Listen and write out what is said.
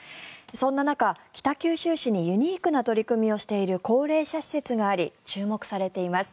そんな中、北九州市にユニークな取り組みをしている高齢者施設があり注目されています。